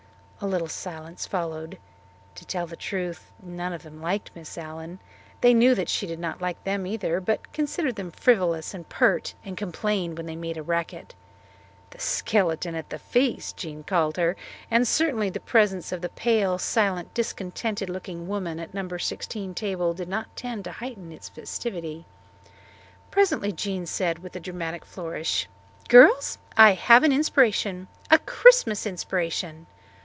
A little silence followed. To tell the truth, none of them liked Miss Allen. They knew that she did not like them either, but considered them frivolous and pert, and complained when they made a racket. "The skeleton at the feast," Jean called her, and certainly the presence of the pale, silent, discontented looking woman at the No. 16 table did not tend to heighten its festivity. Presently Jean said with a dramatic flourish, "Girls, I have an inspiration a Christmas inspiration!"